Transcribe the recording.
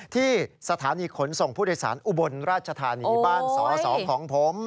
ที่สถานีขนส่งผู้โดยสารอุบลราชธานีบ้านสอสอของผม